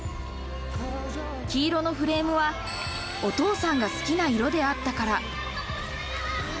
黄色のフレームは、お父さんが好きな色であったから。